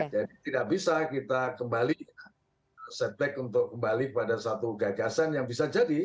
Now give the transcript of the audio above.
jadi tidak bisa kita setback untuk kembali pada satu gagasan yang bisa jadi